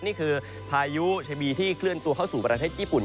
นี่คือพายุชะบีที่เคลื่อนตัวเข้าสู่ประเทศญี่ปุ่น